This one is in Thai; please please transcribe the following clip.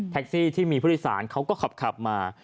ซี่ที่มีผู้โดยสารเขาก็ขับมา